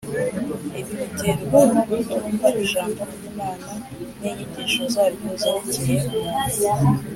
Ibi biterwa no kutumva Ijambo (ry'Imana) n'inyigisho zaryo zerekeye umuntu,